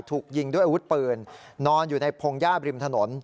ถูกยิงด้วยอาวุธปืนนอนอยู่ในพงหญ้าบริมถนน